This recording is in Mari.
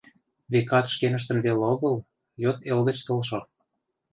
Векат, шкеныштын вел огыл, йот эл гыч толшо.